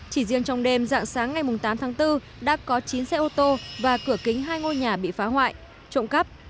chỉ riêng trong đêm dạng sáng ngày tám tháng bốn đã có chín xe ô tô và cửa kính hai ngôi nhà bị phá hoại trộm cắp